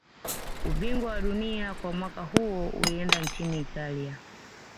Ubingwa wa dunia kwa mwaka huo ulienda nchini italia